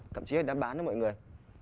thậm chí là đem bán cho mọi người